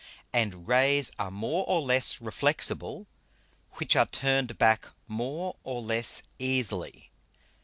And Rays are more or less reflexible, which are turned back more or less easily.